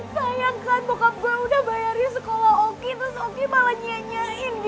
sayangkan bokap gue udah bayarin sekolah oki terus oki malah nyanyain gitu